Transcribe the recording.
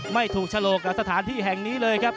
ไม่ถูกฉลกกับสถานที่แห่งนี้เลยครับ